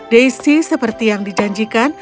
daisy seperti yang dijanjikan